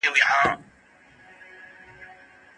د کليوالو ژوند ساده او له ميني ډک وي.